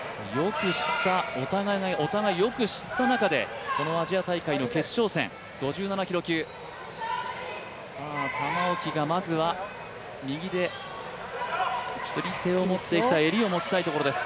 お互いよく知った中で、このアジア大会の決勝戦、５７キロ級玉置がまずは右で釣り手を持ってきた襟を持ちたいところです。